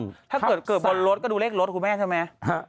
อยากได้ดูเลขลดครูแม่ใช่มั้ย